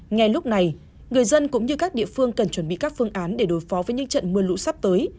ngay lúc này người dân cũng như các địa phương cần chuẩn bị các phương án để đối phó với những trận mưa lũ sắp tới